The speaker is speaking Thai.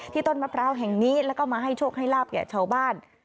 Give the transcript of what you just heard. ต้นมะพร้าวแห่งนี้แล้วก็มาให้โชคให้ลาบแก่ชาวบ้าน